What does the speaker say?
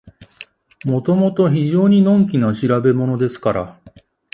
もともと非常にのんきな調べものですから、